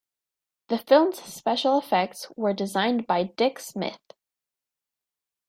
The film's special effects were designed by Dick Smith.